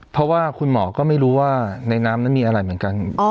เพราะว่าคุณหมอก็ไม่รู้ว่าในน้ำนั้นมีอะไรเหมือนกัน